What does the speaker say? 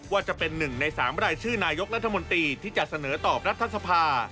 ว่าจะเป็นหนึ่งในสามรายชื่อนายกรัฐมนตรีที่จะเสนอต่อประทัศนภา